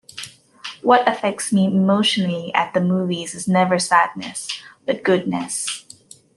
What affects me emotionally at the movies is never sadness, but goodness.